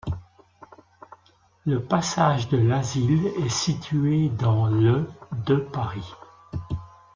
Le passage de l'Asile est situé dans le de Paris.